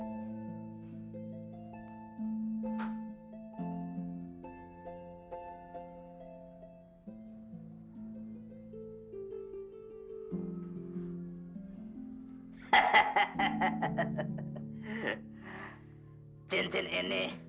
untuk menangkap hantu yang akan menjahilkan aku